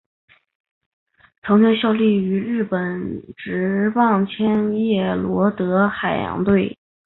曾经效力于日本职棒千叶罗德海洋队。